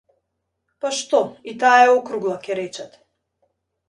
Па што, и таа е округла, ќе речат.